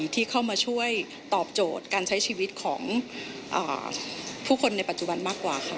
ที่เข้ามาช่วยตอบโจทย์การใช้ชีวิตของผู้คนในปัจจุบันมากกว่าค่ะ